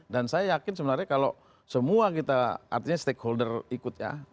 dan saya yakin sebenarnya kalau semua kita artinya stakeholder ikut ya